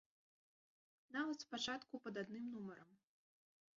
Нават спачатку пад адным нумарам.